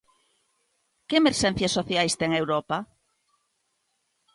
Que emerxencias sociais ten Europa?